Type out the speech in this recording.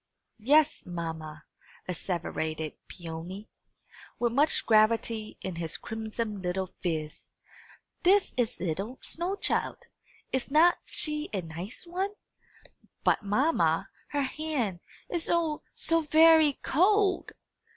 "Yes, mamma," asseverated Peony, with much gravity in his crimson little phiz, "this is 'ittle snow child. Is not she a nice one? But, mamma, her hand, is oh, so very cold!"